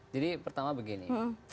jadi pertama begini